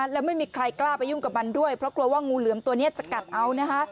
แล้วไม่มีใครกล้าไปยุ่งกับมันด้วยเพราะกลัวว่างูเหลือมตัวนี้จะกัดเอานะคะ